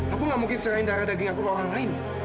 aku gak mungkin sering darah daging aku ke orang lain